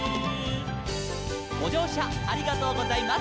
「ごじょうしゃありがとうございます」